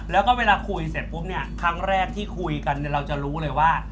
แล้วก็เวลาคุยเสร็จปุ๊บเนี่ยครั้งแรกที่คุยกันเราจะรู้เลยว่า